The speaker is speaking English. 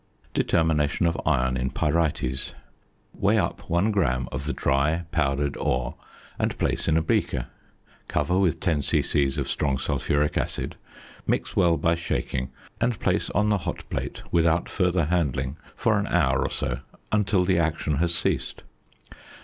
~Determination of Iron in Pyrites.~ Weigh up 1 gram of the dry powdered ore, and place in a beaker. Cover with 10 c.c. of strong sulphuric acid, mix well by shaking, and place on the hot plate without further handling for an hour or so until the action has ceased.